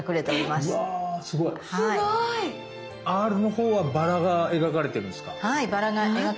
すごい！「Ｒ」のほうはバラが描かれてるんですか。